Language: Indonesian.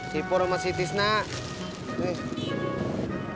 sipur sama si tisnak